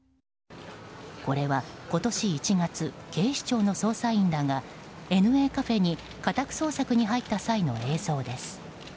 これは今年１月警視庁の捜査員らがＮＡカフェに家宅捜索に入った際の映像です。